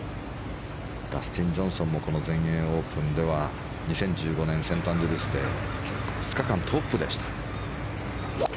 ダスティン・ジョンソンもこの全英オープンでは２０１５年セントアンドリュースで２日間トップでした。